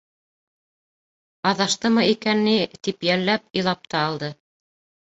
Аҙаштымы икән ни, тип йәлләп, илап та алды.